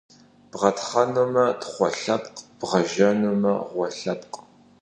Бгъэтхъуэнумэ, тхъуэ лъэпкъ, бгъэжэнумэ, гъуэ лъэпкъ.